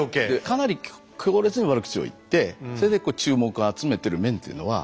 かなり強烈に悪口を言ってそれでこう注目を集めてる面というのは。